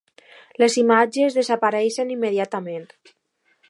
Les imatges desapareixen immediatament.